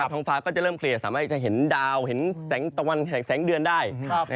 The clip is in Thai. ท้องฟ้าก็จะเริ่มเคลียร์สามารถจะเห็นดาวเห็นแสงตะวันแห่งแสงเดือนได้